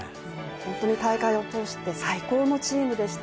本当に大会を通して最高のチームでした。